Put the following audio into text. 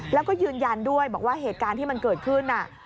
แล้วก็ยืนยันด้วยบอกว่าเหตุการณ์ที่มันเกิดขึ้น